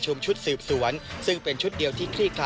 จอบประเด็นจากรายงานของคุณศักดิ์สิทธิ์บุญรัฐครับ